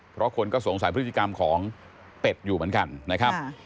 เพราะคนก็สงสัยพฤติกรรมของเป็ดอยู่เหมือนกันนะครับ